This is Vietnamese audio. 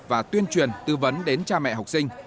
và tuyên truyền tư vấn đến cha mẹ học sinh